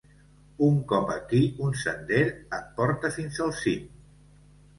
Un cop aquí un sender et porta fins al cim.